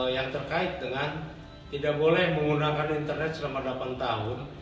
yang terkait dengan tidak boleh menggunakan internet selama delapan tahun